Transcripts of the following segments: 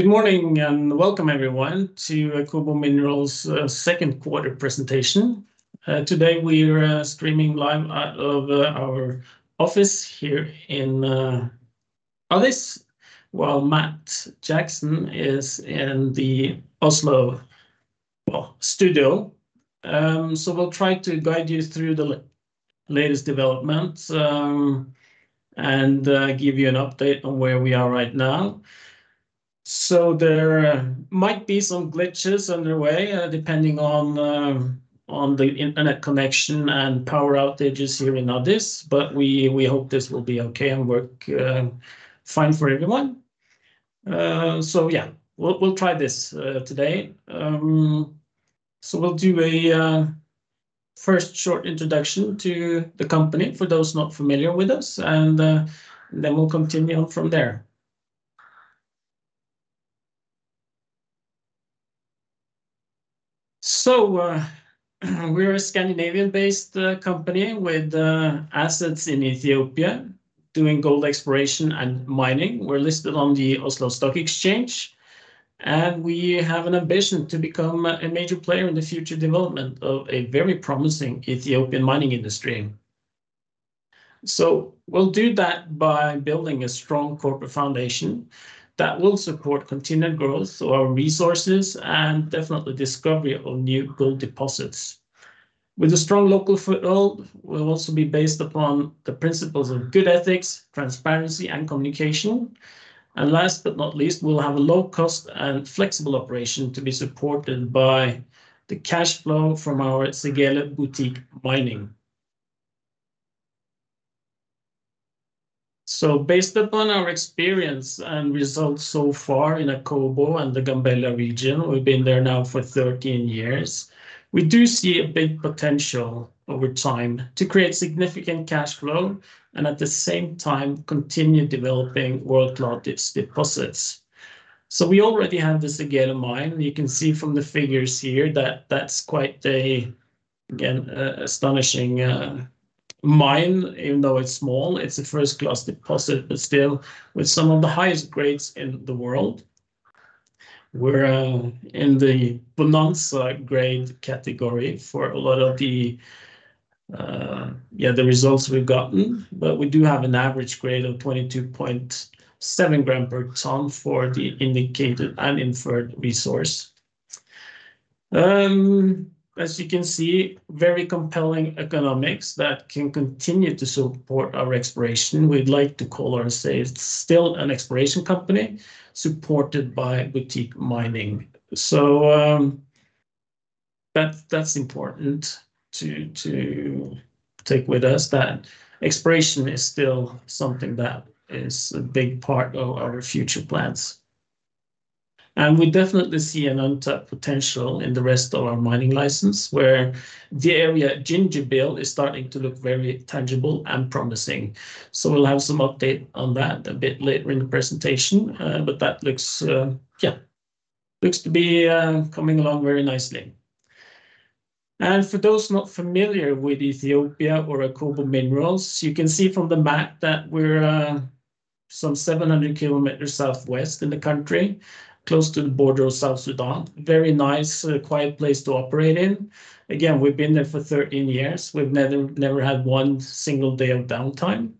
Good morning, and welcome, everyone, to Akobo Minerals' Second Quarter Presentation. Today, we're streaming live out of our office here in Addis, while Matt Jackson is in the Oslo, well, studio. So we'll try to guide you through the latest developments, and give you an update on where we are right now. So there might be some glitches on the way, depending on the internet connection and power outages here in Addis, but we hope this will be okay and work fine for everyone. So yeah, we'll try this today. So we'll do a first short introduction to the company for those not familiar with us, and then we'll continue on from there. So, we're a Scandinavian-based company with assets in Ethiopia, doing gold exploration and mining. We're listed on the Oslo Stock Exchange, and we have an ambition to become a major player in the future development of a very promising Ethiopian mining industry. So we'll do that by building a strong corporate foundation that will support continued growth of our resources and definitely discovery of new gold deposits. With a strong local foothold, we'll also be based upon the principles of good ethics, transparency, and communication. And last but not least, we'll have a low-cost and flexible operation to be supported by the cash flow from our Segele boutique mining. So based upon our experience and results so far in Akobo and the Gambella region, we've been there now for 13 years, we do see a big potential over time to create significant cash flow and, at the same time, continue developing world-class deposits. So we already have the Segele mine. You can see from the figures here that that's quite a, again, astonishing, mine, even though it's small. It's a first-class deposit, but still with some of the highest grades in the world. We're in the Bonanza grade category for a lot of the, yeah, the results we've gotten, but we do have an average grade of 22.7 grams per ton for the Indicated and Inferred Resource. As you can see, very compelling economics that can continue to support our exploration. We'd like to call ourselves still an exploration company supported by boutique mining. That's important to take with us, that exploration is still something that is a big part of our future plans. And we definitely see an untapped potential in the rest of our mining license, where the area at Gingibil is starting to look very tangible and promising. We'll have some update on that a bit later in the presentation, but that looks, yeah, looks to be coming along very nicely. And for those not familiar with Ethiopia or Akobo Minerals, you can see from the map that we're some 700 kilometers southwest in the country, close to the border of South Sudan. Very nice, quiet place to operate in. Again, we've been there for 13 years. We've never had one single day of downtime.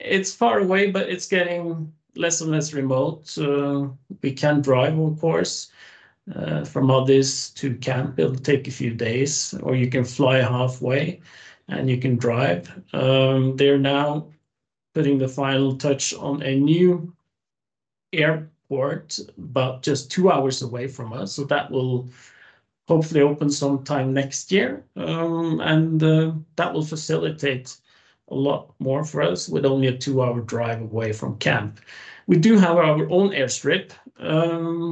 It's far away, but it's getting less and less remote, so we can drive, of course, from Addis to camp. It'll take a few days, or you can fly halfway, and you can drive. They're now putting the final touch on a new airport, about just two hours away from us, so that will hopefully open sometime next year. That will facilitate a lot more for us, with only a two-hour drive away from camp. We do have our own airstrip,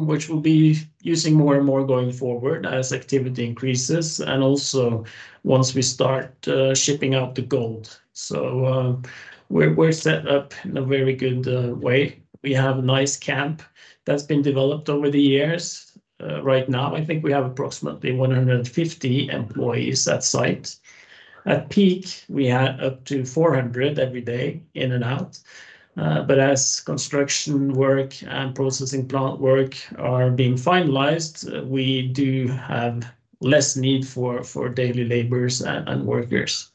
which we'll be using more and more going forward as activity increases and also once we start shipping out the gold. So, we're set up in a very good way. We have a nice camp that's been developed over the years. Right now, I think we have approximately 150 employees at site. At peak, we had up to 400 every day in and out, but as construction work and processing plant work are being finalized, we do have less need for daily laborers and workers.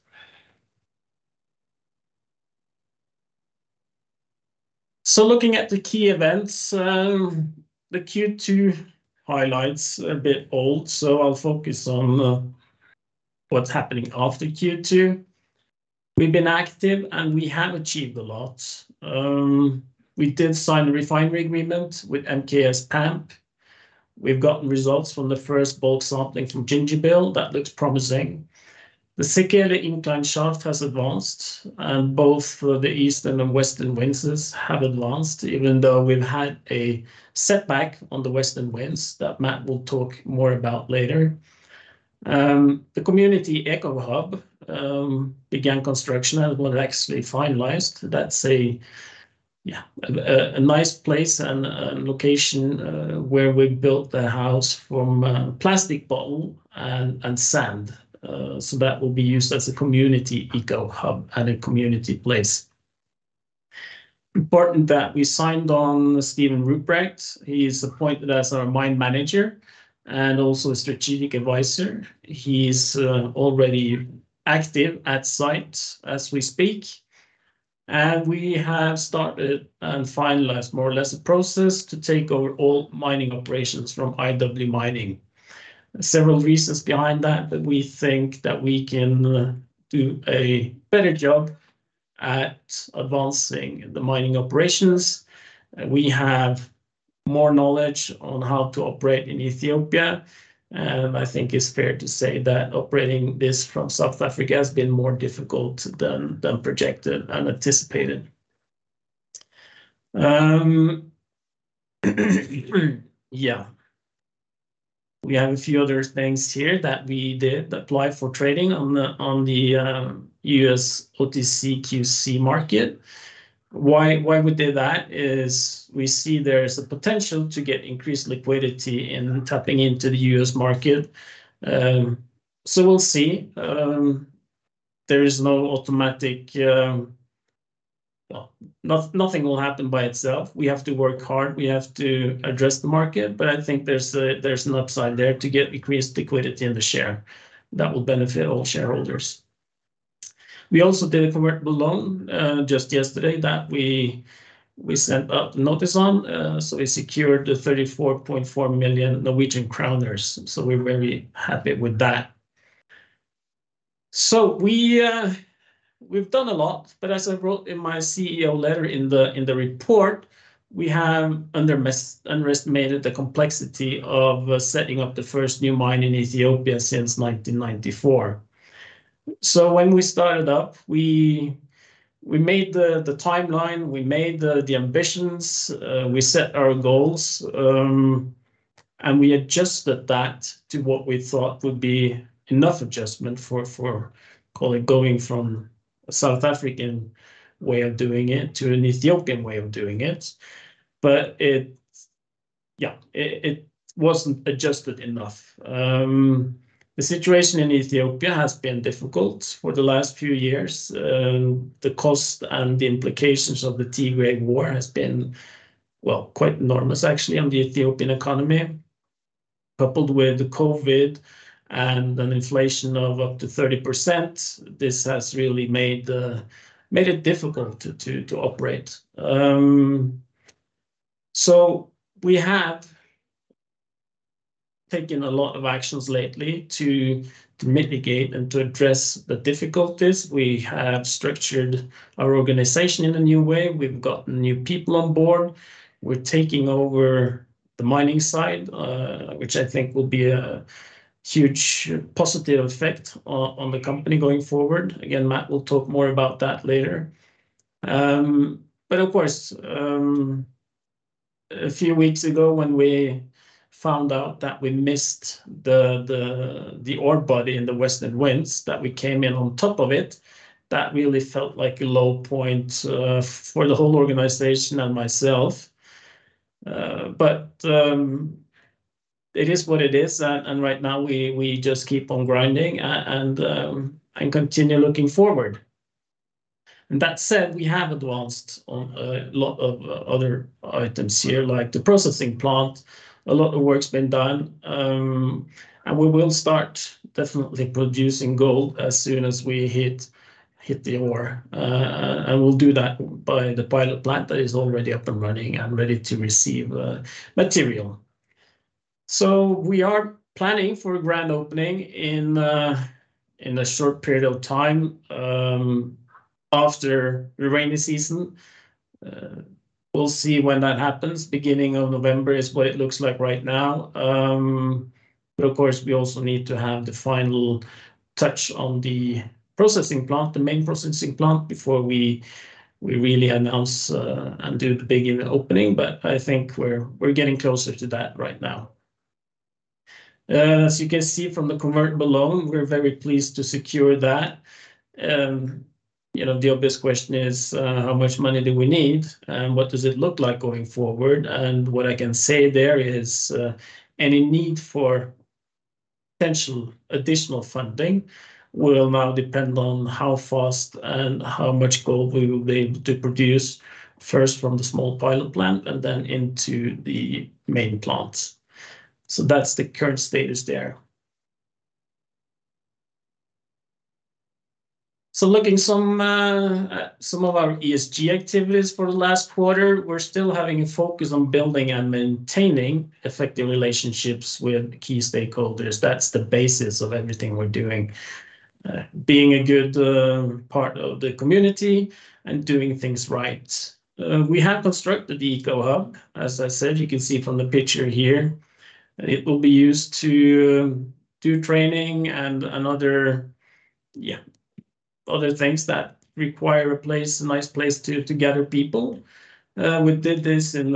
So looking at the key events, the Q2 highlight's a bit old, so I'll focus on what's happening after Q2. We've been active, and we have achieved a lot. We did sign a refinery agreement with MKS PAMP. We've gotten results from the first bulk sampling from Gingibil. That looks promising. The Segele inclined shaft has advanced, and both the Eastern and the Western Winzes have advanced, even though we've had a setback on the Western Winze that Matt will talk more about later. The Community Eco Hub began construction, and we're actually finalized. That's a nice place and a location where we built the house from plastic bottle and sand. So that will be used as a Community Eco Hub and a community place. Important that we signed on Steven Rupprecht. He is appointed as our mine manager and also a strategic advisor. He's already active at site as we speak, and we have started and finalized more or less a process to take over all mining operations from IW Mining. Several reasons behind that, that we think that we can do a better job at advancing the mining operations. We have more knowledge on how to operate in Ethiopia, and I think it's fair to say that operating this from South Africa has been more difficult than projected and anticipated. Yeah. We have a few other things here that we did. Applied for trading on the U.S. OTCQX market. Why we did that is we see there is a potential to get increased liquidity in tapping into the U.S. market. So we'll see. There is no automatic... Well, nothing will happen by itself. We have to work hard. We have to address the market, but I think there's an upside there to get increased liquidity in the share that will benefit all shareholders. We also did a convertible loan just yesterday that we sent out notice on. So we secured 34.4 million, so we're very happy with that. So we've done a lot, but as I wrote in my CEO letter in the report, we have underestimated the complexity of setting up the first new mine in Ethiopia since 1994. So when we started up, we made the timeline, we made the ambitions, we set our goals, and we adjusted that to what we thought would be enough adjustment for, call it, going from a South African way of doing it to an Ethiopian way of doing it. But it... Yeah, it wasn't adjusted enough. The situation in Ethiopia has been difficult for the last few years. The cost and the implications of the Tigray War has been, well, quite enormous actually, on the Ethiopian economy. Coupled with the COVID and an inflation of up to 30%, this has really made it difficult to operate. So we have taken a lot of actions lately to mitigate and to address the difficulties. We have structured our organization in a new way. We've gotten new people on board. We're taking over the mining side, which I think will be a huge positive effect on the company going forward. Again, Matt will talk more about that later. But of course, a few weeks ago, when we found out that we missed the ore body in the Western Winze, that we came in on top of it, that really felt like a low point for the whole organization and myself. But it is what it is, and right now, we just keep on grinding and continue looking forward. And that said, we have advanced on a lot of other items here, like the processing plant. A lot of work's been done, and we will start definitely producing gold as soon as we hit the ore. And we'll do that by the pilot plant that is already up and running and ready to receive material. So we are planning for a grand opening in a short period of time after the rainy season. We'll see when that happens. Beginning of November is what it looks like right now. But of course, we also need to have the final touch on the processing plant, the main processing plant, before we, we really announce and do the big opening, but I think we're, we're getting closer to that right now. As you can see from the convertible loan, we're very pleased to secure that. You know, the obvious question is: How much money do we need, and what does it look like going forward? What I can say there is, any need for potential additional funding will now depend on how fast and how much gold we will be able to produce, first from the small pilot plant and then into the main plant. That's the current status there. Looking at some of our ESG activities for the last quarter, we're still having a focus on building and maintaining effective relationships with key stakeholders. That's the basis of everything we're doing. Being a good part of the community and doing things right. We have constructed the Eco Hub, as I said. You can see from the picture here. It will be used to do training and another... Yeah, other things that require a place, a nice place to gather people. We did this in...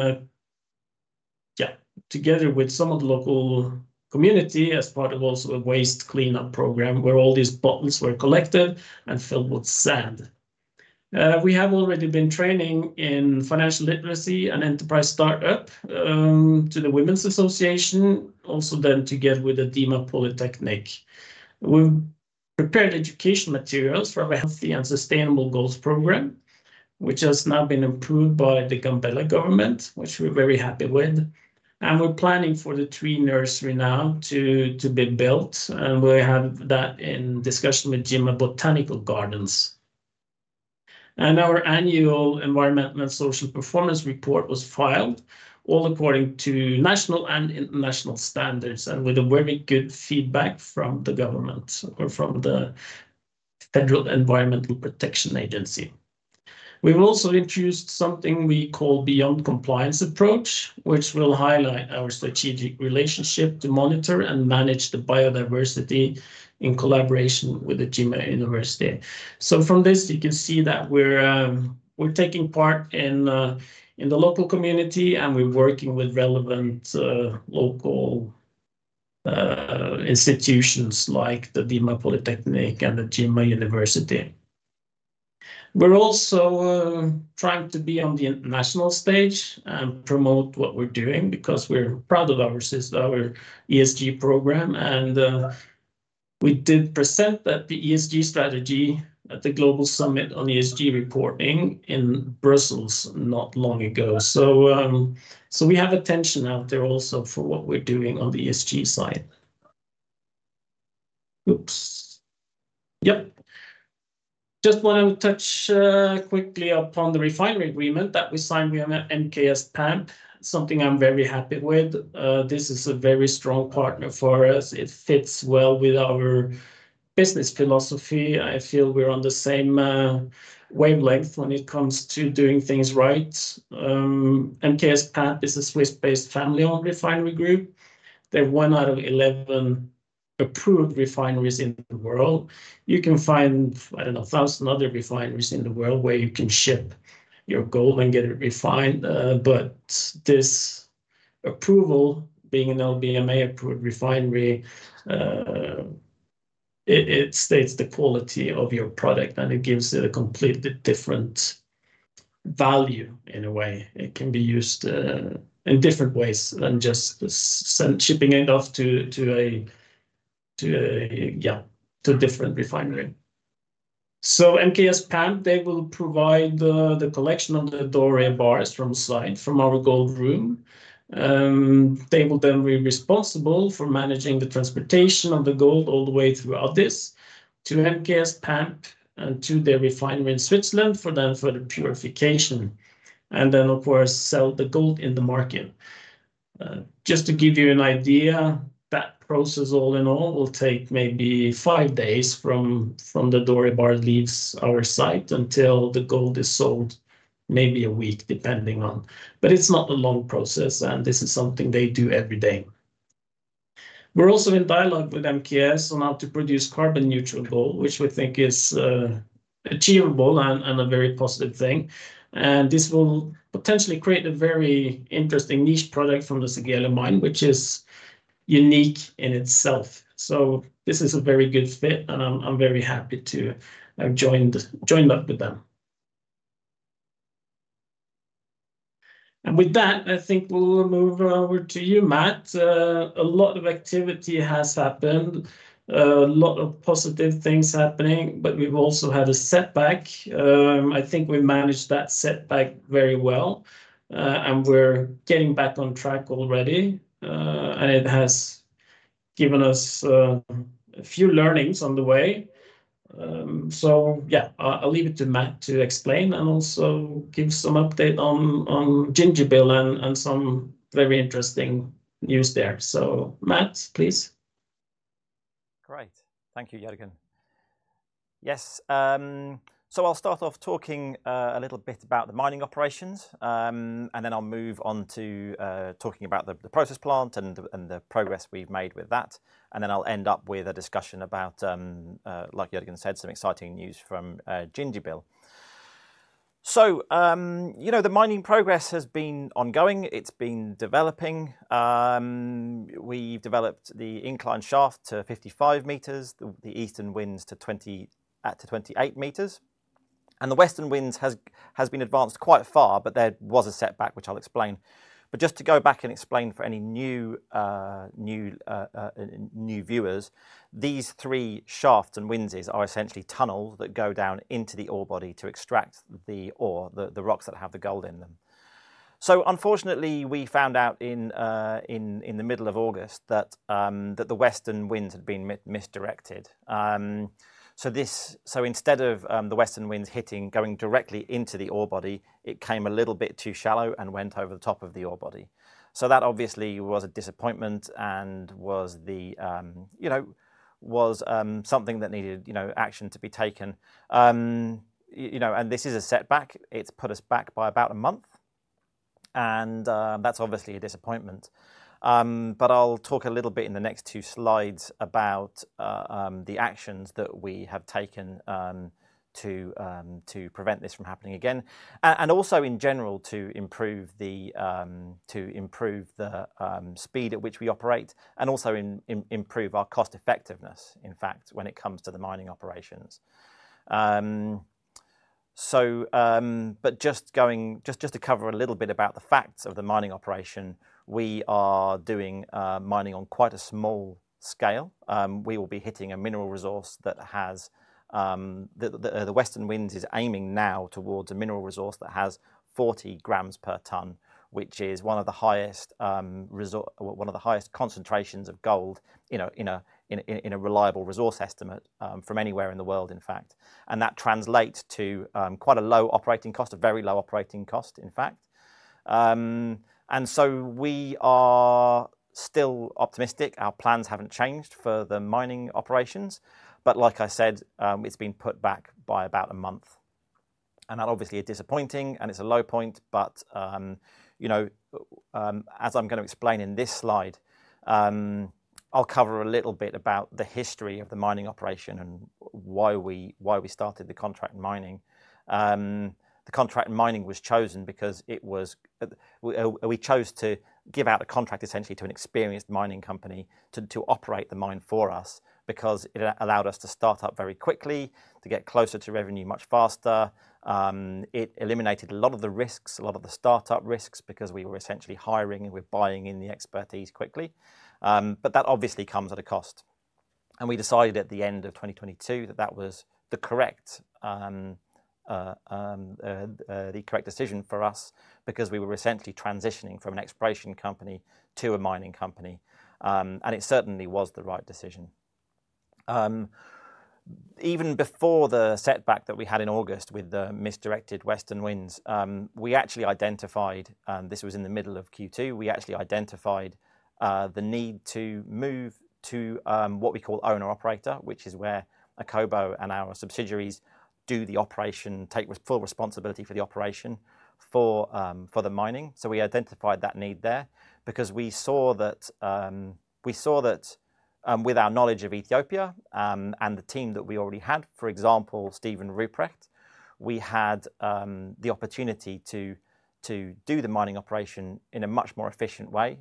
Yeah, together with some of the local community as part of also a waste cleanup program, where all these bottles were collected and filled with sand. We have already been training in financial literacy and enterprise startup to the Women's Association, also done together with Adama Polytechnic. We prepared education materials for our Healthy and Sustainable Goals program, which has now been approved by the Gambella government, which we're very happy with, and we're planning for the tree nursery now to be built, and we have that in discussion with Jimma Botanical Gardens. And our annual environmental and social performance report was filed, all according to national and international standards, and with a very good feedback from the government or from the Federal Environmental Protection Agency. We've also introduced something we call Beyond Compliance Approach, which will highlight our strategic relationship to monitor and manage the biodiversity in collaboration with the Jimma University. So from this, you can see that we're taking part in the local community, and we're working with relevant local institutions, like the Jimma Polytechnic and the Jimma University. We're also trying to be on the international stage and promote what we're doing because we're proud of our ESG program, and we did present that, the ESG strategy, at the Global Summit on ESG Reporting in Brussels not long ago. So we have attention out there also for what we're doing on the ESG side. Oops. Yep. Just want to touch quickly upon the refinery agreement that we signed with MKS PAMP, something I'm very happy with. This is a very strong partner for us. It fits well with our business philosophy. I feel we're on the same wavelength when it comes to doing things right. MKS PAMP is a Swiss-based, family-owned refinery group. They're one out of 11 approved refineries in the world. You can find, I don't know, 1,000 other refineries in the world where you can ship your gold and get it refined. But this approval, being an LBMA-approved refinery, it states the quality of your product, and it gives it a completely different value, in a way. It can be used in different ways than just shipping it off to, yeah, to a different refinery. So MKS PAMP, they will provide the collection of the Doré bars from site, from our gold room. They will then be responsible for managing the transportation of the gold all the way throughout this to MKS PAMP and to their refinery in Switzerland for the purification, and then, of course, sell the gold in the market. Just to give you an idea, that process, all in all, will take maybe five days from the Doré bar leaves our site until the gold is sold, maybe a week, depending on... But it's not a long process, and this is something they do every day. We're also in dialogue with MKS on how to produce carbon-neutral gold, which we think is achievable and a very positive thing, and this will potentially create a very interesting niche product from the Segele Mine, which is unique in itself. So this is a very good fit, and I'm very happy to have joined up with them. And with that, I think we'll move over to you, Matt. A lot of activity has happened, a lot of positive things happening, but we've also had a setback. I think we managed that setback very well, and we're getting back on track already. And it has given us a few learnings on the way. So yeah, I'll leave it to Matt to explain and also give some update on Gingibil and some very interesting news there. So Matt, please. Great. Thank you, Jørgen. Yes, so I'll start off talking a little bit about the mining operations, and then I'll move on to talking about the process plant and the progress we've made with that. And then I'll end up with a discussion about, like Jørgen said, some exciting news from Gingibil. So, you know, the mining progress has been ongoing. It's been developing. We've developed the incline shaft to 55 meters, the Eastern Winze to 28 meters, and the Western Winze has been advanced quite far, but there was a setback, which I'll explain. But just to go back and explain for any new viewers, these three shafts and winzes are essentially tunnels that go down into the ore body to extract the ore, the rocks that have the gold in them. So unfortunately, we found out in the middle of August that the Western Winze had been misdirected. So instead of the Western Winze hitting, going directly into the ore body, it came a little bit too shallow and went over the top of the ore body. So that obviously was a disappointment and was the, you know, something that needed, you know, action to be taken. You know, and this is a setback. It's put us back by about a month, and that's obviously a disappointment. But I'll talk a little bit in the next two slides about the actions that we have taken to prevent this from happening again, and also, in general, to improve the speed at which we operate and also improve our cost effectiveness, in fact, when it comes to the mining operations. So, but just to cover a little bit about the facts of the mining operation, we are doing mining on quite a small scale. We will be hitting a mineral resource that has the Western Winze is aiming now towards a mineral resource that has 40 grams per tonne, which is one of the highest concentrations of gold, you know, in a reliable resource estimate from anywhere in the world, in fact. And that translates to quite a low operating cost, a very low operating cost, in fact. And so we are still optimistic. Our plans haven't changed for the mining operations, but like I said, it's been put back by about a month. That obviously is disappointing, and it's a low point, but, you know, as I'm going to explain in this slide, I'll cover a little bit about the history of the mining operation and why we, why we started the contract mining. The contract mining was chosen because it was, we chose to give out a contract, essentially, to an experienced mining company to, to operate the mine for us, because it allowed us to start up very quickly, to get closer to revenue much faster. It eliminated a lot of the risks, a lot of the start-up risks, because we were essentially hiring and we're buying in the expertise quickly. But that obviously comes at a cost. We decided at the end of 2022 that that was the correct decision for us, because we were essentially transitioning from an exploration company to a mining company. It certainly was the right decision. Even before the setback that we had in August with the misdirected Western Winze, we actually identified... This was in the middle of Q2, we actually identified the need to move to what we call owner-operator, which is where Akobo and our subsidiaries do the operation, take full responsibility for the operation for the mining. So we identified that need there because we saw that, we saw that, with our knowledge of Ethiopia, and the team that we already had, for example, Steven Rupprecht, we had, the opportunity to, to do the mining operation in a much more efficient way,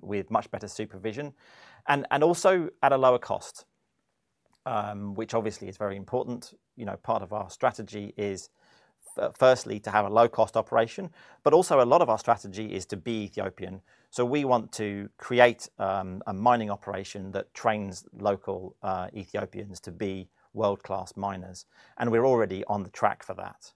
with much better supervision, and, and also at a lower cost. Which obviously is very important. You know, part of our strategy is, firstly, to have a low-cost operation, but also a lot of our strategy is to be Ethiopian. So we want to create, a mining operation that trains local, Ethiopians to be world-class miners, and we're already on the track for that.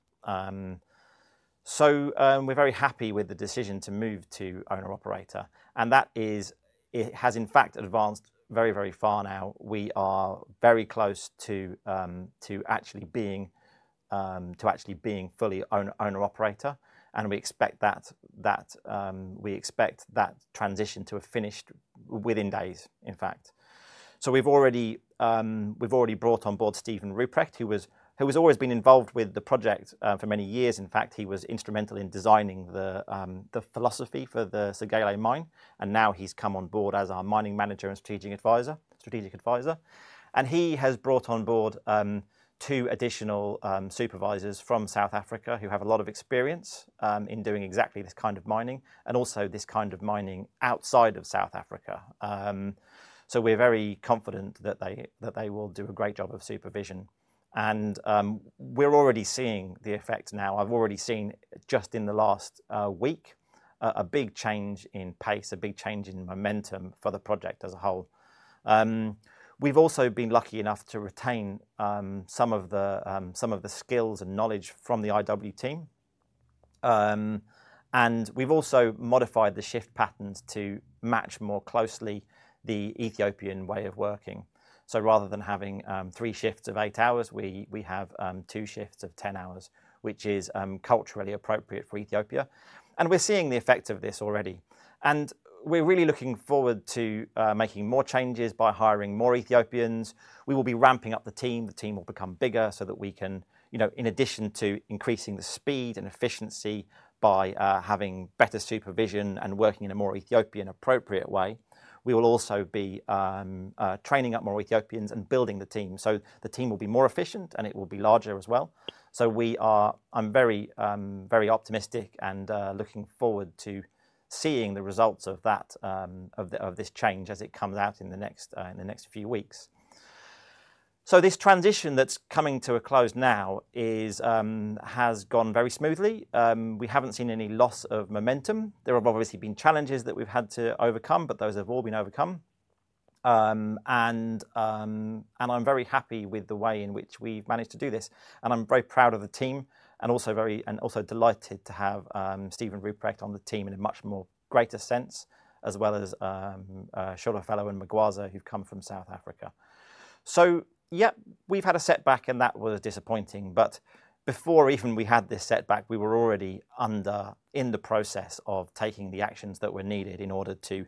So, we're very happy with the decision to move to owner-operator, and that is, it has, in fact, advanced very, very far now. We are very close to actually being fully owner-operator, and we expect that transition to have finished within days, in fact. So we've already brought on board Steven Rupprecht, who has always been involved with the project for many years. In fact, he was instrumental in designing the philosophy for the Segele mine, and now he's come on board as our mining manager and strategic advisor, strategic advisor. And he has brought on board two additional supervisors from South Africa, who have a lot of experience in doing exactly this kind of mining, and also this kind of mining outside of South Africa. So we're very confident that they will do a great job of supervision, and we're already seeing the effects now. I've already seen, just in the last week, a big change in pace, a big change in momentum for the project as a whole. We've also been lucky enough to retain some of the skills and knowledge from the IW team. And we've also modified the shift patterns to match more closely the Ethiopian way of working. So rather than having three shifts of eight hours, we have two shifts of 10 hours, which is culturally appropriate for Ethiopia. And we're seeing the effect of this already, and we're really looking forward to making more changes by hiring more Ethiopians. We will be ramping up the team. The team will become bigger, so that we can, you know, in addition to increasing the speed and efficiency by having better supervision and working in a more Ethiopian-appropriate way, we will also be training up more Ethiopians and building the team. So the team will be more efficient, and it will be larger as well. So we are... I'm very very optimistic and looking forward to seeing the results of that, of the, of this change as it comes out in the next in the next few weeks. So this transition that's coming to a close now has gone very smoothly. We haven't seen any loss of momentum. There have obviously been challenges that we've had to overcome, but those have all been overcome. I'm very happy with the way in which we've managed to do this, and I'm very proud of the team, and also delighted to have Steven Rupprecht on the team in a much more greater sense, as well as Sola Olatunji and Magwaza, who've come from South Africa. So yeah, we've had a setback, and that was disappointing, but before even we had this setback, we were already under in the process of taking the actions that were needed in order to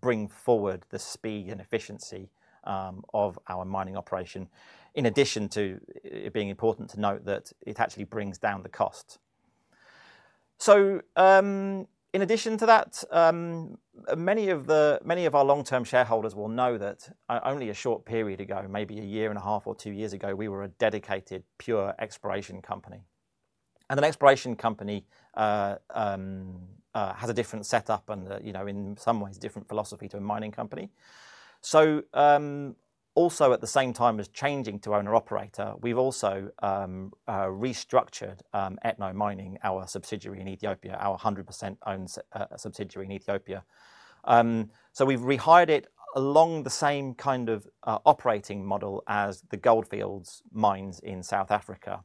bring forward the speed and efficiency of our mining operation, in addition to it being important to note that it actually brings down the cost. So, in addition to that, many of our long-term shareholders will know that only a short period ago, maybe a year and a half or two years ago, we were a dedicated, pure exploration company. And an exploration company has a different setup and, you know, in some ways, different philosophy to a mining company. So, also, at the same time as changing to owner/operator, we've also restructured Etno Mining, our subsidiary in Ethiopia, our 100% owned subsidiary in Ethiopia. So we've rehired it along the same kind of operating model as the Gold Fields mines in South Africa,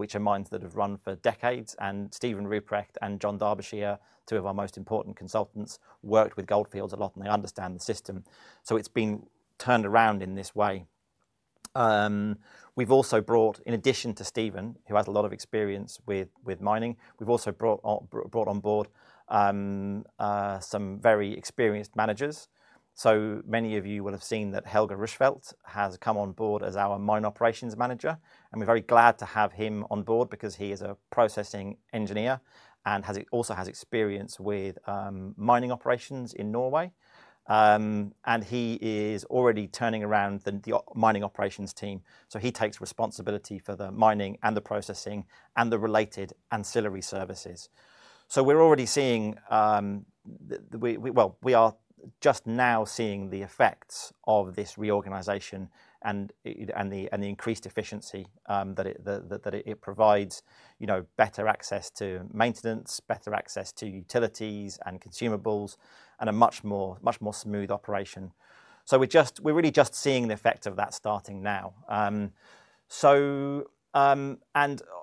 which are mines that have run for decades. And Steven Rupprecht and John Derbyshire, two of our most important consultants, worked with Gold Fields a lot, and they understand the system. So it's been turned around in this way. We've also brought, in addition to Steven, who has a lot of experience with mining, we've also brought on, brought on board some very experienced managers. So many of you will have seen that Helge Rushfeldt has come on board as our mine operations manager, and we're very glad to have him on board because he is a processing engineer and also has experience with mining operations in Norway. And he is already turning around the mining operations team, so he takes responsibility for the mining and the processing and the related ancillary services. So we're already seeing we... Well, we are just now seeing the effects of this reorganization and the increased efficiency that it provides, you know, better access to maintenance, better access to utilities and consumables, and a much more smooth operation. So we're really just seeing the effect of that starting now. And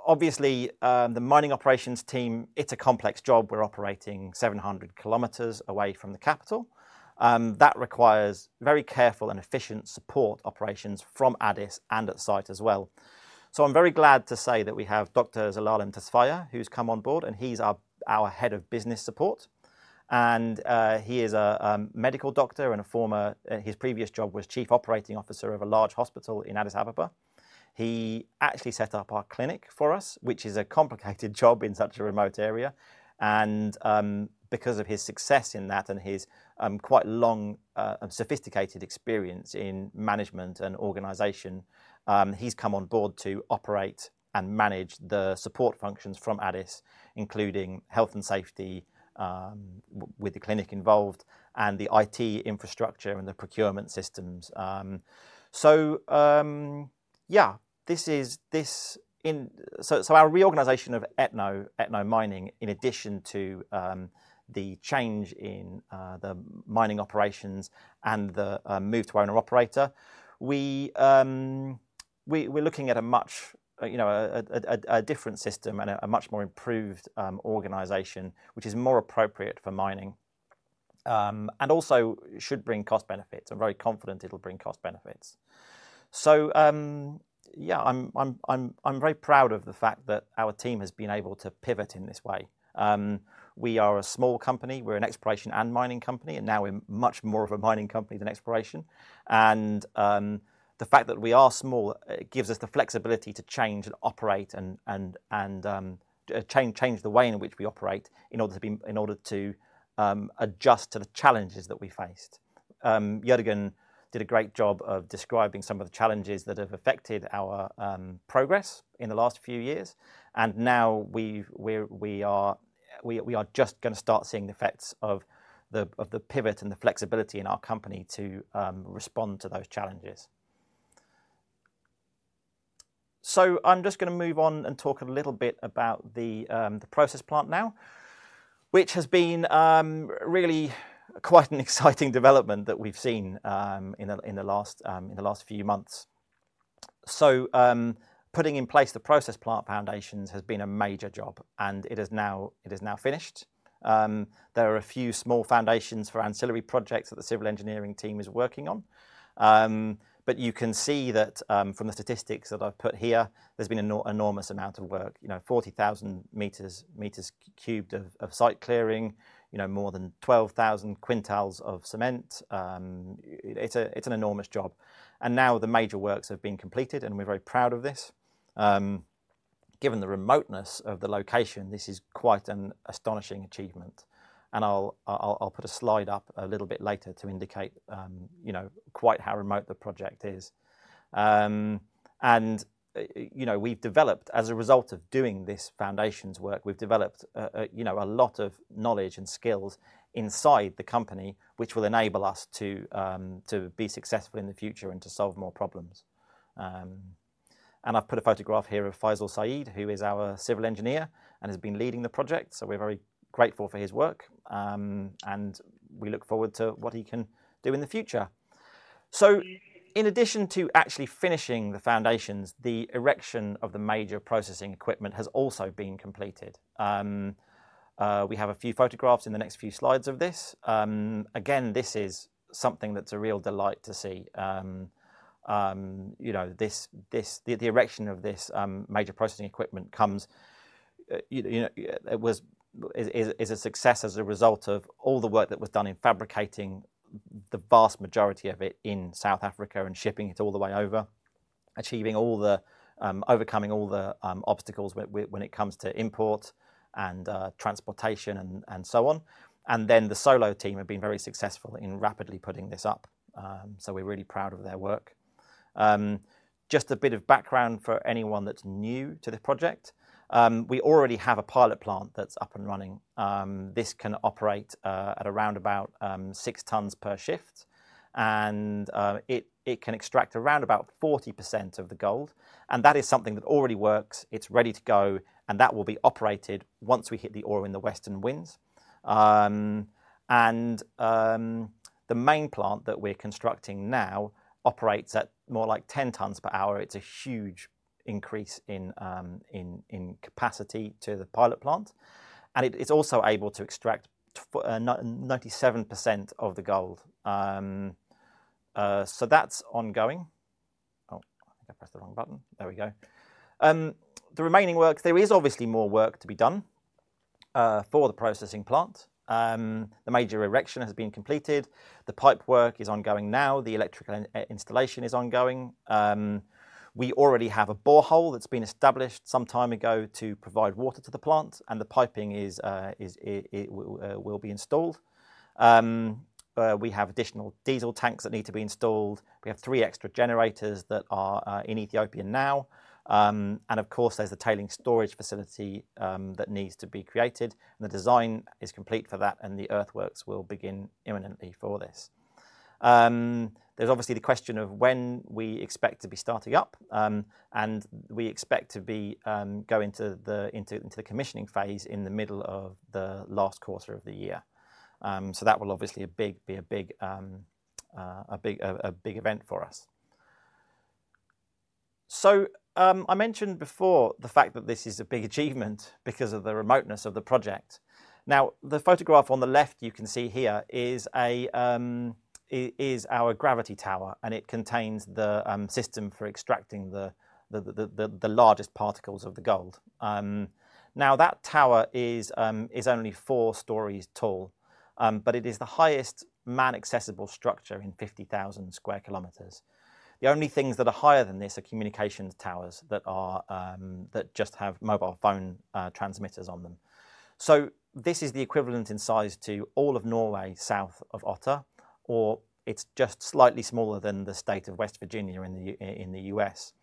obviously, the mining operations team, it's a complex job. We're operating 700 kilometers away from the capital. That requires very careful and efficient support operations from Addis and at site as well. So I'm very glad to say that we have Dr. Zelalem Tesfaye, who's come on board, and he's our head of business support. He is a medical doctor and a former... His previous job was Chief Operating Officer of a large hospital in Addis Ababa. He actually set up our clinic for us, which is a complicated job in such a remote area. And because of his success in that and his quite long and sophisticated experience in management and organization, he's come on board to operate and manage the support functions from Addis, including health and safety, with the clinic involved, and the IT infrastructure and the procurement systems. So yeah, this. So our reorganization of Etno Mining, in addition to the change in the mining operations and the move to owner-operator, we're looking at a much you know a different system and a much more improved organization, which is more appropriate for mining. And also should bring cost benefits. I'm very confident it'll bring cost benefits. So, yeah, I'm very proud of the fact that our team has been able to pivot in this way. We are a small company. We're an exploration and mining company, and now we're much more of a mining company than exploration. And, the fact that we are small gives us the flexibility to change and operate and change the way in which we operate in order to adjust to the challenges that we faced. Jørgen did a great job of describing some of the challenges that have affected our progress in the last few years, and now we are just gonna start seeing the effects of the pivot and the flexibility in our company to respond to those challenges. So I'm just gonna move on and talk a little bit about the process plant now, which has been really quite an exciting development that we've seen in the last few months. So, putting in place the process plant foundations has been a major job, and it is now finished. There are a few small foundations for ancillary projects that the civil engineering team is working on. But you can see that from the statistics that I've put here, there's been an enormous amount of work. You know, 40,000 cubic meters of site clearing, you know, more than 12,000 quintals of cement. It's an enormous job, and now the major works have been completed, and we're very proud of this. Given the remoteness of the location, this is quite an astonishing achievement, and I'll put a slide up a little bit later to indicate, you know, quite how remote the project is. And, you know, as a result of doing this foundations work, we've developed, you know, a lot of knowledge and skills inside the company, which will enable us to be successful in the future and to solve more problems. And I've put a photograph here of Faisal Saeed, who is our civil engineer and has been leading the project, so we're very grateful for his work. And we look forward to what he can do in the future. So in addition to actually finishing the foundations, the erection of the major processing equipment has also been completed. We have a few photographs in the next few slides of this. Again, this is something that's a real delight to see. You know, the erection of this major processing equipment comes, you know, it is a success as a result of all the work that was done in fabricating the vast majority of it in South Africa and shipping it all the way over, achieving all the, overcoming all the obstacles when it comes to import and transportation and so on. And then, the Solo team have been very successful in rapidly putting this up. So we're really proud of their work. Just a bit of background for anyone that's new to the project. We already have a pilot plant that's up and running. This can operate at around about 6 tons per shift, and it can extract around about 40% of the gold, and that is something that already works. It's ready to go, and that will be operated once we hit the ore in the Western Winze. The main plant that we're constructing now operates at more like 10 tons per hour. It's a huge increase in capacity to the pilot plant, and it's also able to extract 97% of the gold. So that's ongoing. Oh, I think I pressed the wrong button. There we go. The remaining work, there is obviously more work to be done for the processing plant. The major erection has been completed. The pipework is ongoing now, the electrical installation is ongoing. We already have a borehole that's been established some time ago to provide water to the plant, and the piping will be installed. We have additional diesel tanks that need to be installed. We have three extra generators that are in Ethiopia now. And of course, there's the tailings storage facility that needs to be created, and the design is complete for that, and the earthworks will begin imminently before this. There's obviously the question of when we expect to be starting up, and we expect to be going into the commissioning phase in the middle of the last quarter of the year. So that will obviously be a big event for us. So, I mentioned before the fact that this is a big achievement because of the remoteness of the project. Now, the photograph on the left, you can see here, is our gravity tower, and it contains the system for extracting the largest particles of the gold. Now, that tower is only 4 stories tall, but it is the highest man-accessible structure in 50,000 square kilometers. The only things that are higher than this are communications towers that just have mobile phone transmitters on them. So this is the equivalent in size to all of Norway, south of Otta, or it's just slightly smaller than the state of West Virginia in the U.S.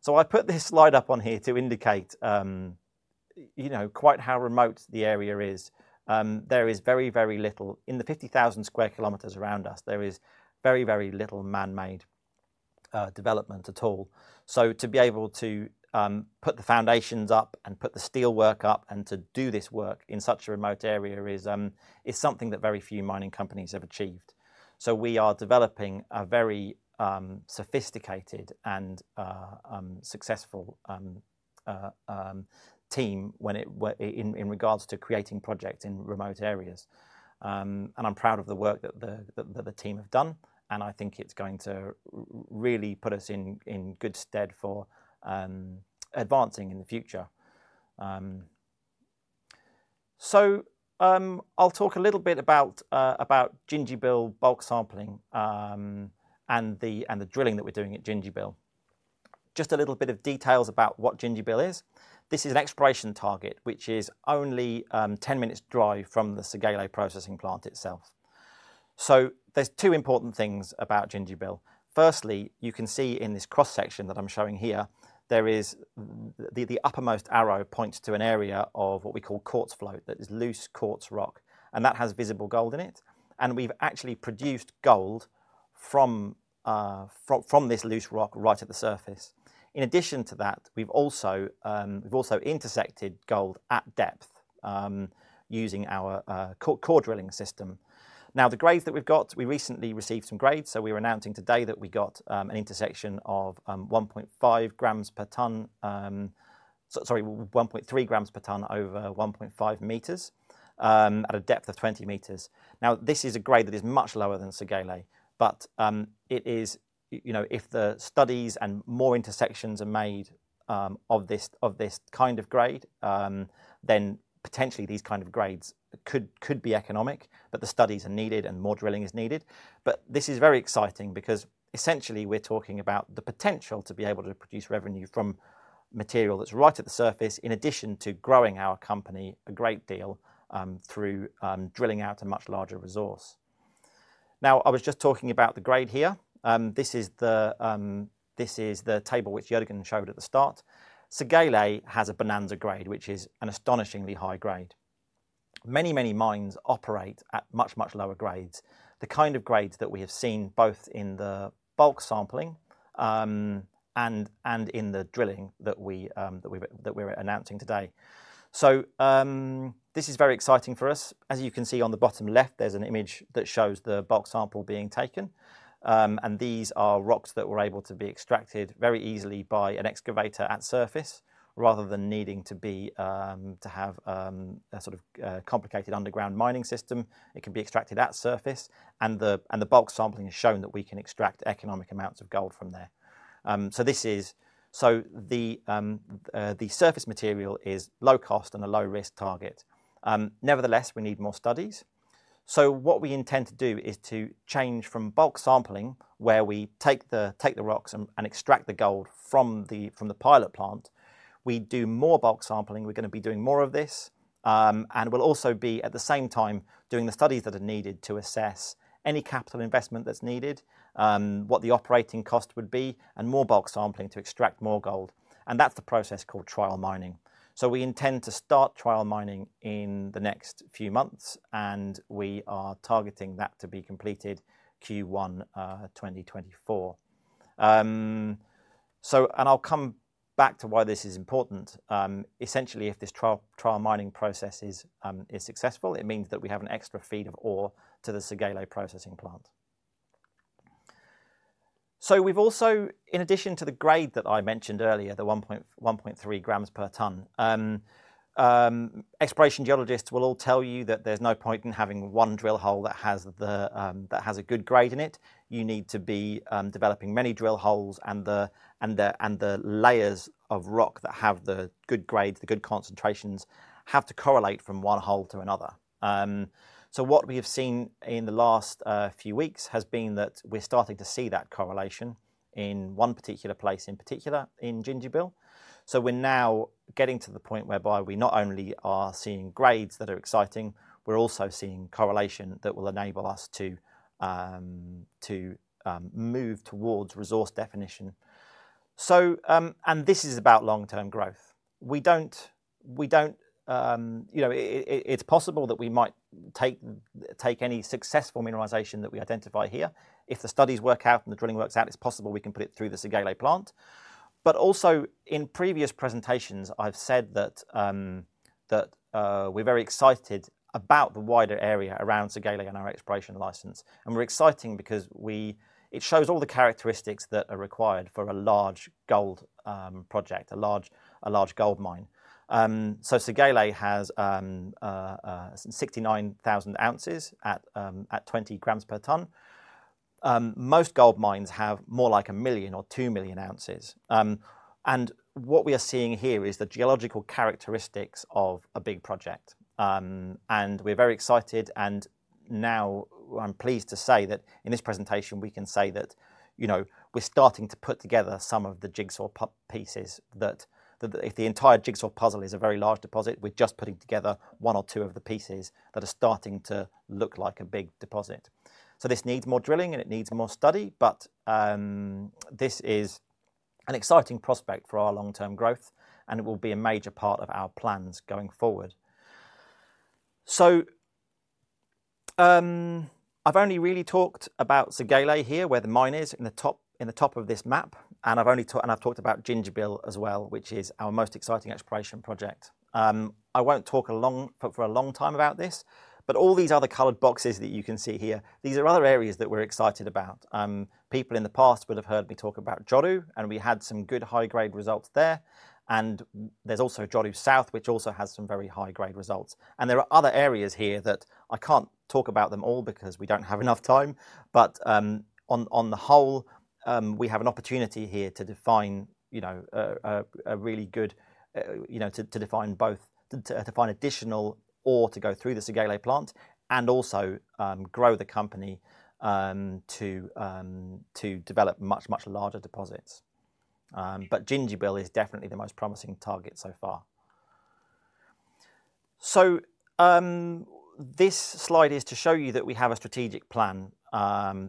So I put this slide up on here to indicate, you know, quite how remote the area is. There is very, very little... In the 50,000 square km around us, there is very, very little man-made development at all. So to be able to put the foundations up and put the steelwork up, and to do this work in such a remote area is something that very few mining companies have achieved. So we are developing a very sophisticated and successful team when it in regards to creating projects in remote areas. And I'm proud of the work that the team have done, and I think it's going to really put us in good stead for advancing in the future. So, I'll talk a little bit about about Gingibil bulk sampling, and the, and the drilling that we're doing at Gingibil. Just a little bit of details about what Gingibil is. This is an exploration target, which is only 10 minutes drive from the Segele processing plant itself. So there's two important things about Gingibil. Firstly, you can see in this cross-section that I'm showing here, there is the uppermost arrow points to an area of what we call quartz float, that is loose quartz rock, and that has visible gold in it, and we've actually produced gold from from this loose rock right at the surface. In addition to that, we've also we've also intersected gold at depth, using our core, core drilling system. Now, the grades that we've got, we recently received some grades, so we're announcing today that we got an intersection of 1.5 grams per ton... sorry, one point three grams per ton, over 1.5 meters, at a depth of 20 meters. Now, this is a grade that is much lower than Segele, but it is, you know, if the studies and more intersections are made of this kind of grade, then potentially these kind of grades could be economic. But the studies are needed, and more drilling is needed. But this is very exciting because essentially, we're talking about the potential to be able to produce revenue from material that's right at the surface, in addition to growing our company a great deal through drilling out a much larger resource. Now, I was just talking about the grade here. This is the table which Jørgen showed at the start. Segele has a bonanza grade, which is an astonishingly high grade. Many, many mines operate at much, much lower grades. The kind of grades that we have seen both in the bulk sampling and in the drilling that we're announcing today. So, this is very exciting for us. As you can see on the bottom left, there's an image that shows the bulk sample being taken. And these are rocks that were able to be extracted very easily by an excavator at surface, rather than needing to be a sort of complicated underground mining system. It can be extracted at surface, and the bulk sampling has shown that we can extract economic amounts of gold from there. So the surface material is low cost and a low-risk target. Nevertheless, we need more studies. So what we intend to do is to change from bulk sampling, where we take the rocks and extract the gold from the pilot plant. We do more bulk sampling. We're gonna be doing more of this, and we'll also be, at the same time, doing the studies that are needed to assess any capital investment that's needed, what the operating cost would be, and more bulk sampling to extract more gold, and that's the process called trial mining. So we intend to start trial mining in the next few months, and we are targeting that to be completed Q1 2024. So and I'll come back to why this is important. Essentially, if this trial mining process is successful, it means that we have an extra feed of ore to the Segele processing plant. So we've also, in addition to the grade that I mentioned earlier, the 1.3 grams per tonne, exploration geologists will all tell you that there's no point in having one drill hole that has a good grade in it. You need to be developing many drill holes and the layers of rock that have the good grades, the good concentrations, have to correlate from one hole to another. So what we have seen in the last few weeks has been that we're starting to see that correlation in one particular place, in particular in Gingibil. So we're now getting to the point whereby we not only are seeing grades that are exciting, we're also seeing correlation that will enable us to move towards resource definition. So, and this is about long-term growth. We don't, we don't. You know, I, it's possible that we might take any successful mineralization that we identify here. If the studies work out and the drilling works out, it's possible we can put it through the Segele plant. But also, in previous presentations, I've said that we're very excited about the wider area around Segele and our exploration license, and we're exciting because we - it shows all the characteristics that are required for a large gold project, a large, a large gold mine. So Segele has 69,000 ounces at 20 grams per tonne. Most gold mines have more like 1 million or 2 million ounces. And what we are seeing here is the geological characteristics of a big project. and we're very excited, and now I'm pleased to say that in this presentation, we can say that, you know, we're starting to put together some of the jigsaw pieces that if the entire jigsaw puzzle is a very large deposit, we're just putting together one or two of the pieces that are starting to look like a big deposit. So this needs more drilling, and it needs more study, but this is an exciting prospect for our long-term growth, and it will be a major part of our plans going forward. So, I've only really talked about Segele here, where the mine is, in the top, in the top of this map, and I've only and I've talked about Gingibil as well, which is our most exciting exploration project. I won't talk for a long time about this, but all these other colored boxes that you can see here, these are other areas that we're excited about. People in the past will have heard me talk about Joru, and we had some good high-grade results there. And there's also Joru South, which also has some very high-grade results. And there are other areas here that I can't talk about them all because we don't have enough time, but on the whole, we have an opportunity here to define, you know, a really good, you know, to define both. To define additional ore to go through the Segele plant and also grow the company, to develop much larger deposits. But Gingibil is definitely the most promising target so far. So, this slide is to show you that we have a strategic plan.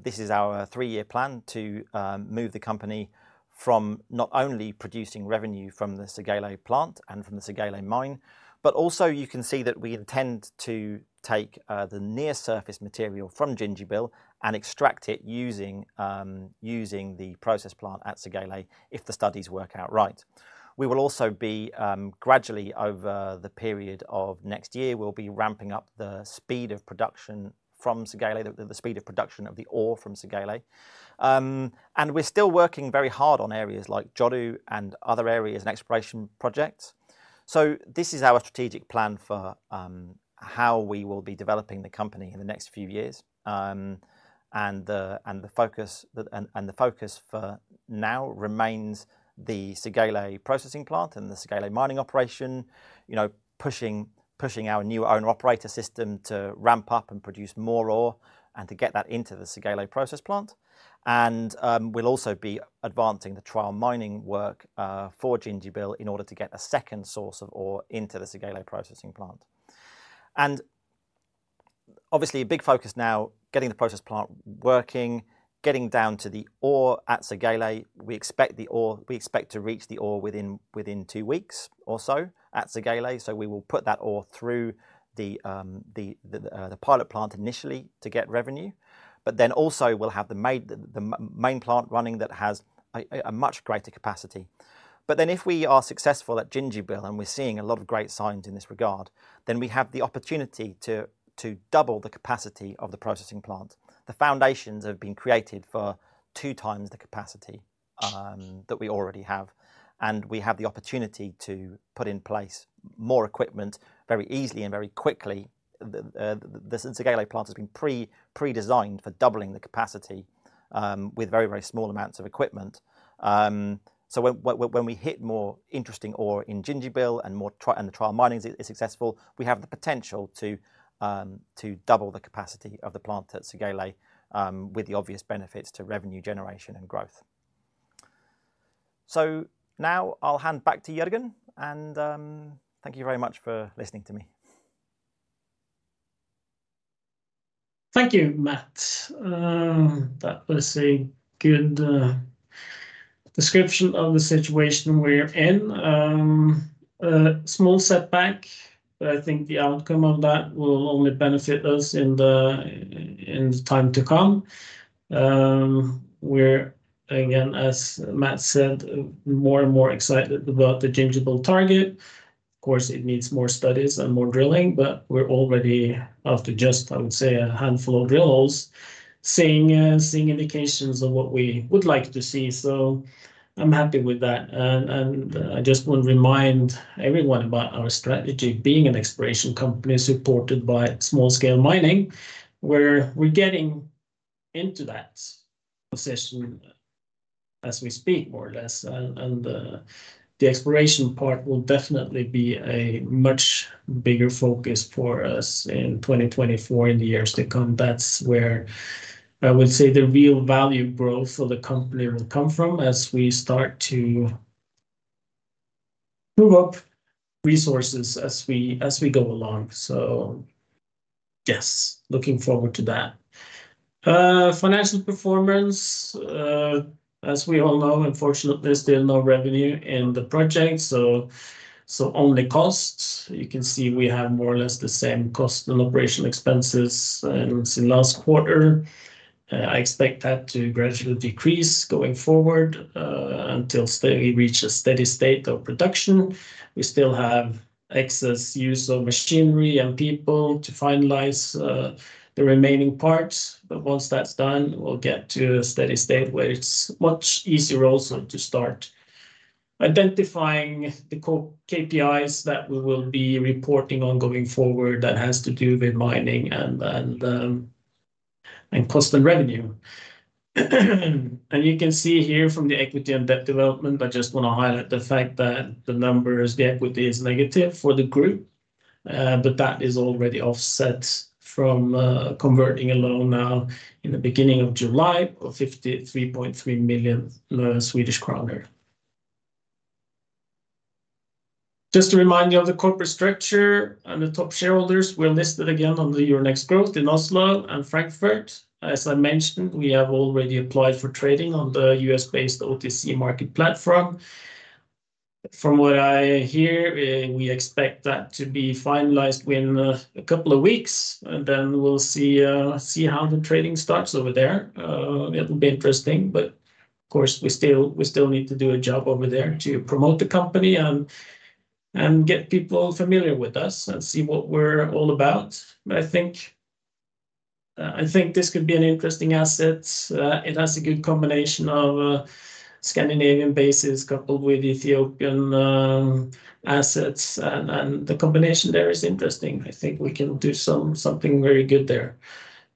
This is our three-year plan to move the company from not only producing revenue from the Segele plant and from the Segele mine, but also you can see that we intend to take the near-surface material from Gingibil and extract it using using the process plant at Segele, if the studies work out right. We will also be gradually over the period of next year, we'll be ramping up the speed of production from Segele, the speed of production of the ore from Segele. And we're still working very hard on areas like Joru and other areas and exploration projects. So this is our strategic plan for how we will be developing the company in the next few years. The focus for now remains the Segele processing plant and the Segele mining operation. You know, pushing our new owner-operator system to ramp up and produce more ore, and to get that into the Segele process plant. We'll also be advancing the trial mining work for Gingibil in order to get a second source of ore into the Segele processing plant. Obviously, a big focus now, getting the process plant working, getting down to the ore at Segele. We expect to reach the ore within two weeks or so at Segele, so we will put that ore through the pilot plant initially to get revenue, but then also we'll have the main plant running that has a much greater capacity. But then, if we are successful at Gingibil, and we're seeing a lot of great signs in this regard, then we have the opportunity to double the capacity of the processing plant. The foundations have been created for two times the capacity that we already have, and we have the opportunity to put in place more equipment very easily and very quickly. The Segele plant has been pre-designed for doubling the capacity with very, very small amounts of equipment. So when we hit more interesting ore in Gingibil and the trial mining is successful, we have the potential to double the capacity of the plant at Segele with the obvious benefits to revenue generation and growth.... So now I'll hand back to Jørgen, and thank you very much for listening to me. Thank you, Matt. That was a good description of the situation we're in. A small setback, but I think the outcome of that will only benefit us in the time to come. We're, again, as Matt said, more and more excited about the Gingibil target. Of course, it needs more studies and more drilling, but we're already, after just, I would say, a handful of drills, seeing indications of what we would like to see. So I'm happy with that. The exploration part will definitely be a much bigger focus for us in 2024, in the years to come. That's where I would say the real value growth for the company will come from as we start to move up resources as we go along. So yes, looking forward to that. Financial performance, as we all know, unfortunately, still no revenue in the project, so only costs. You can see we have more or less the same cost and operational expenses since last quarter. I expect that to gradually decrease going forward until we reach a steady state of production. We still have excess use of machinery and people to finalize the remaining parts. But once that's done, we'll get to a steady state, where it's much easier also to start identifying the core KPIs that we will be reporting on going forward that has to do with mining and cost and revenue. You can see here from the equity and debt development, I just want to highlight the fact that the numbers, the equity is negative for the group, but that is already offset from, converting a loan now in the beginning of July of 53.3 million Swedish kronor. Just to remind you of the corporate structure and the top shareholders, we're listed again on the Euronext Growth in Oslo and Frankfurt. As I mentioned, we have already applied for trading on the U.S.-based OTC market platform. From what I hear, we expect that to be finalized within a couple of weeks, and then we'll see how the trading starts over there. It'll be interesting, but of course, we still need to do a job over there to promote the company and get people familiar with us and see what we're all about. But I think this could be an interesting asset. It has a good combination of Scandinavian bases coupled with Ethiopian assets, and the combination there is interesting. I think we can do something very good there.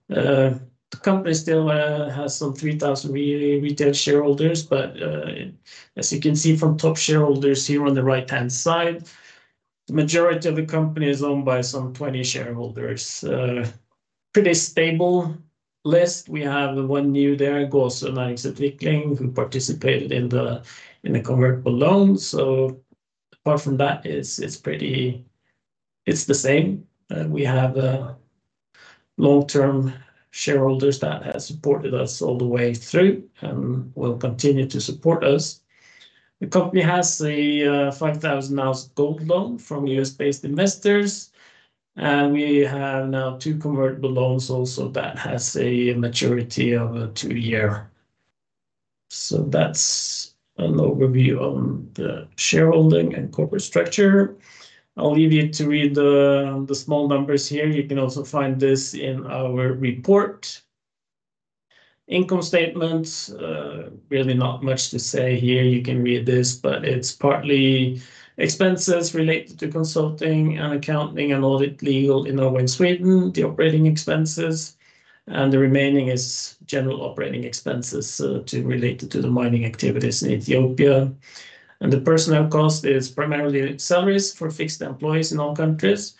The company still has some 3,000 retail shareholders, but as you can see from top shareholders here on the right-hand side, the majority of the company is owned by some 20 shareholders. Pretty stable list. We have one new there, Gåsemark Utvikling, who participated in the convertible loan. So apart from that, it's pretty... It's the same. We have long-term shareholders that have supported us all the way through and will continue to support us. The company has a 5,000-ounce gold loan from U.S.-based investors, and we have now two convertible loans also that has a maturity of a two-year. So that's an overview on the shareholding and corporate structure. I'll leave you to read the small numbers here. You can also find this in our report. Income statements, really not much to say here. You can read this, but it's partly expenses related to consulting and accounting and audit, legal in Norway and Sweden, the operating expenses, and the remaining is general operating expenses related to the mining activities in Ethiopia. And the personnel cost is primarily salaries for fixed employees in all countries.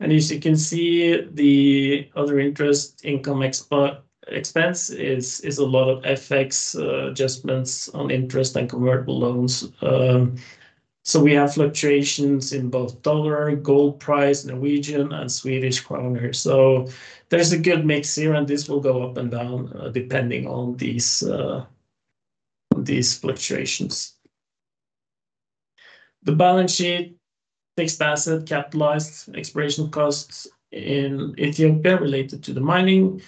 As you can see, the other interest income expense is a lot of FX adjustments on interest and convertible loans. So we have fluctuations in both US dollar, gold price, Norwegian krone, and Swedish krona. There's a good mix here, and this will go up and down depending on these fluctuations. The balance sheet, fixed assets, capitalized exploration costs in Ethiopia related to the mining,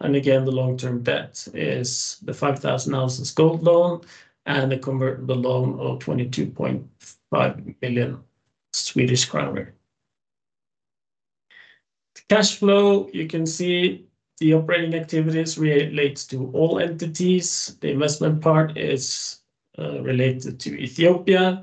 and again, the long-term debt is the 5,000 ounces gold loan and the convertible loan of 22.5 million Swedish kronor. The cash flow, you can see the operating activities relates to all entities. The investment part is related to Ethiopia.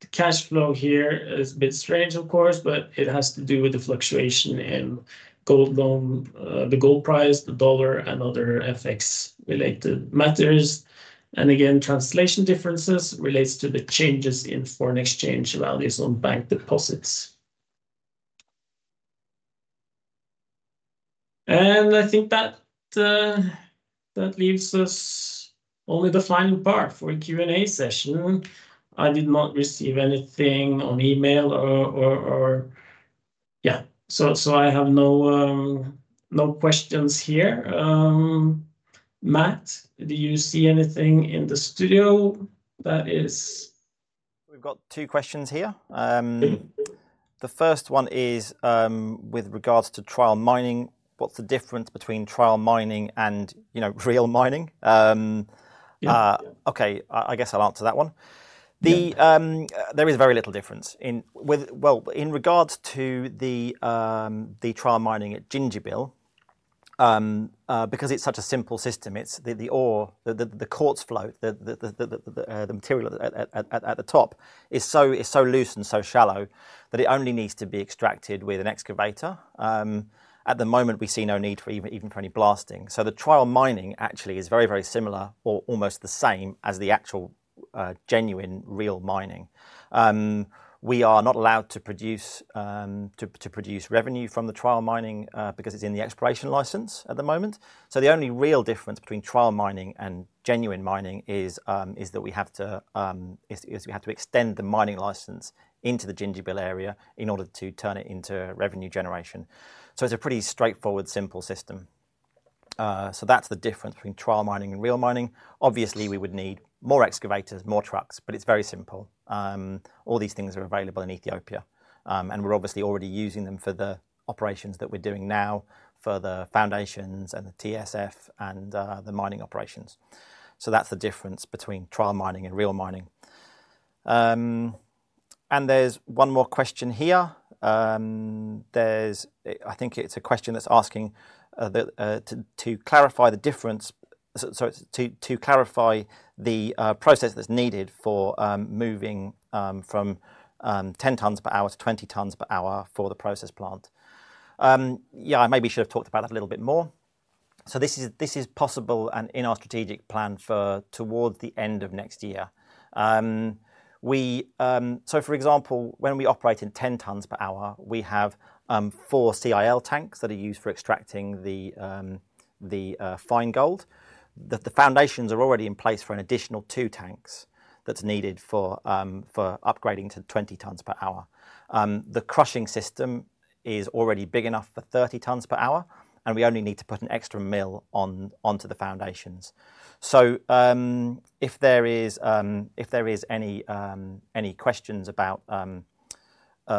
The cash flow here is a bit strange, of course, but it has to do with the fluctuation in gold loan, the gold price, the US dollar, and other FX-related matters. And again, translation differences relates to the changes in foreign exchange values on bank deposits. And I think that that leaves us only the final part for a Q&A session. I did not receive anything on email or. So I have no questions here. Matt, do you see anything in the studio that is- We've got two questions here. Mm-hmm. The first one is, with regards to trial mining, what's the difference between trial mining and, you know, real mining? Yeah. Okay, I guess I'll answer that one. Yeah. There is very little difference with well, in regards to the trial mining at Gingibil, because it's such a simple system. The ore, the quartz float, the material at the top is so loose and so shallow, that it only needs to be extracted with an excavator. At the moment, we see no need for even for any blasting. So the trial mining actually is very, very similar or almost the same as the actual genuine, real mining. We are not allowed to produce to produce revenue from the trial mining, because it's in the exploration license at the moment. So the only real difference between trial mining and genuine mining is that we have to extend the mining license into the Gingibil area in order to turn it into revenue generation. So it's a pretty straightforward, simple system. So that's the difference between trial mining and real mining. Obviously, we would need more excavators, more trucks, but it's very simple. All these things are available in Ethiopia. And we're obviously already using them for the operations that we're doing now, for the foundations and the TSF and the mining operations. So that's the difference between trial mining and real mining. And there's one more question here. There's... I think it's a question that's asking to clarify the difference... Sorry, to clarify the process that's needed for moving from 10 tonnes per hour to 20 tonnes per hour for the process plant. Yeah, I maybe should have talked about it a little bit more. So this is possible and in our strategic plan for towards the end of next year. So for example, when we operate in 10 tonnes per hour, we have four CIL tanks that are used for extracting the fine gold. The foundations are already in place for an additional two tanks that's needed for upgrading to 20 tonnes per hour. The crushing system is already big enough for 30 tonnes per hour, and we only need to put an extra mill onto the foundations. So, if there is any questions about,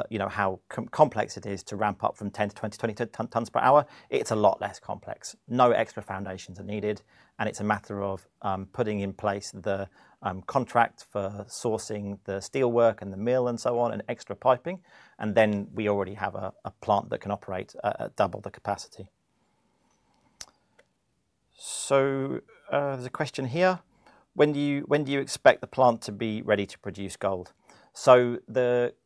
you know, how complex it is to ramp up from 10 to 20, 20 to 30 tonnes per hour, it's a lot less complex. No extra foundations are needed, and it's a matter of putting in place the contract for sourcing the steelwork and the mill and so on, and extra piping, and then we already have a plant that can operate at double the capacity. So, there's a question here: When do you expect the plant to be ready to produce gold? So,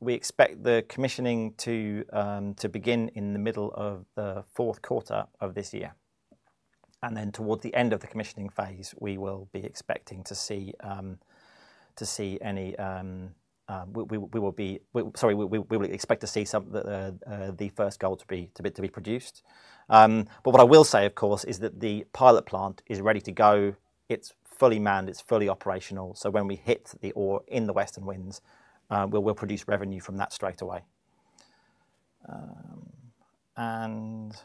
we expect the commissioning to begin in the middle of the fourth quarter of this year, and then towards the end of the commissioning phase, we will be expecting to see any... We will expect to see some of the first gold to be produced. But what I will say, of course, is that the pilot plant is ready to go. It's fully manned, it's fully operational, so when we hit the ore in the Western Winze, we will produce revenue from that straight away. And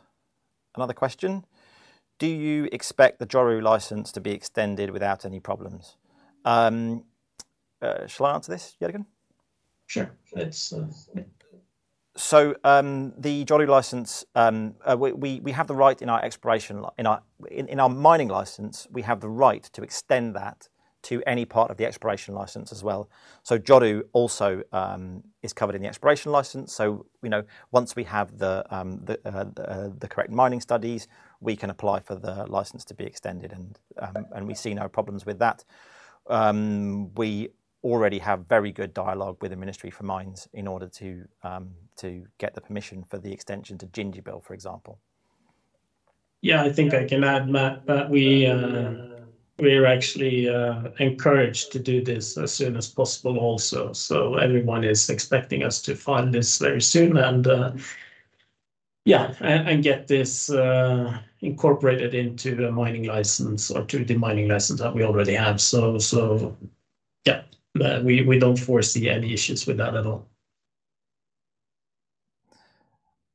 another question, do you expect the Joru license to be extended without any problems? Shall I answer this yet again? Sure. It's So, the Joru license, we have the right in our mining license, we have the right to extend that to any part of the exploration license as well. So Joru also is covered in the exploration license, so, you know, once we have the correct mining studies, we can apply for the license to be extended, and, Yeah... and we see no problems with that. We already have very good dialogue with the Ministry for Mines in order to get the permission for the extension to Gingibil, for example. Yeah, I think I can add, Matt, that we're actually encouraged to do this as soon as possible also. So everyone is expecting us to file this very soon, and yeah, and get this incorporated into the mining license or to the mining license that we already have. So yeah, we don't foresee any issues with that at all.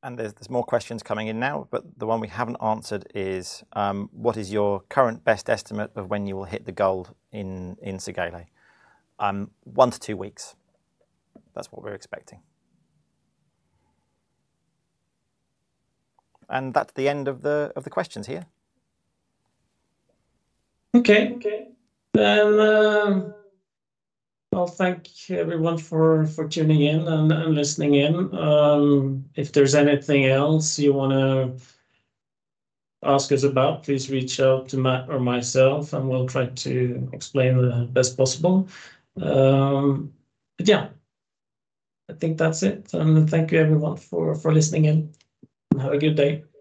And there's more questions coming in now, but the one we haven't answered is: What is your current best estimate of when you will hit the gold in Segele? One-two weeks, that's what we're expecting. And that's the end of the questions here. Okay. Then, well, thank you everyone for tuning in and listening in. If there's anything else you wanna ask us about, please reach out to Matt or myself, and we'll try to explain the best possible. But yeah, I think that's it. Thank you everyone for listening in, and have a good day.